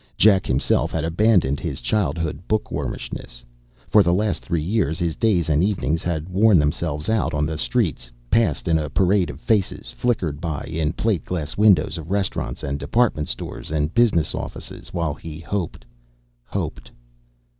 Jack himself had abandoned his childhood bookwormishness. For the last three years his days and evenings had worn themselves out on the streets, passed in a parade of faces, flickered by in plate glass windows of restaurants and department stores and business offices, while he hoped, hoped....